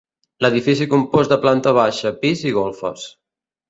L'edifici compost de planta baixa, pis i golfes.